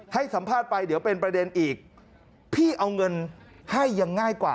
ให้สัมภาษณ์ไปเดี๋ยวเป็นประเด็นอีกพี่เอาเงินให้ยังง่ายกว่า